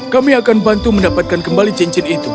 kami akan bantu mendapatkan kembali cincin itu